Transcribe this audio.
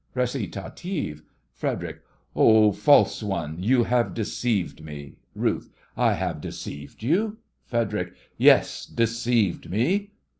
RECITATIVE FREDERIC: Oh, false one, you have deceived me! RUTH: I have deceived you? FREDERIC: Yes, deceived me!